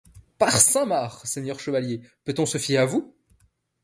Par saint Marc! seigneur chevalier, peut-on se fier à vous?